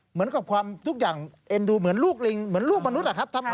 เหมือนกับความทุกอย่างเอ็นดูเหมือนลูกลิงเหมือนลูกมนุษย์อะครับ